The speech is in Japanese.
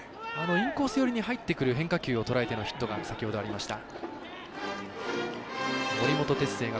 インコース寄りに入ってくる変化球をとらえてのヒットが先ほどありました。